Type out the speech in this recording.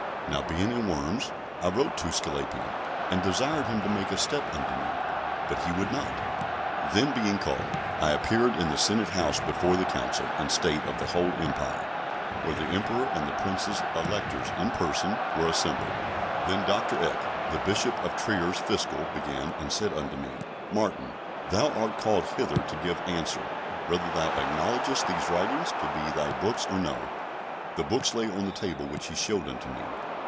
Now being in Worms, I wrote to Sglapian, and desired him to make a step unto me, but he would not. Then being called, I appeared in the Senate House before the Council and State of the whole Empire, where the Emperor, and the Princes Electors in person were assembled. Then Dr. Eck (the Bishop of Trier's fiscal) began, and said unto me, "Martin, thou art called hither to give answer, whether thou acknowledgest these writings to be thy books or no?" (The books lay on a table which he showed unto me.)